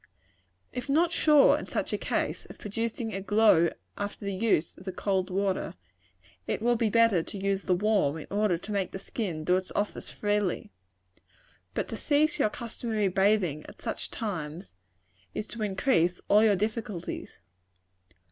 If not sure, in such a case, of producing a glow after the use of the cold water, it will be better to use the warm, in order to make the skin do its office freely. But to cease your customary bathing at such times, is to increase all your difficulties.